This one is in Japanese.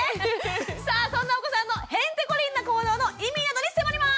さあそんなお子さんのへンテコリンな行動の意味などに迫ります！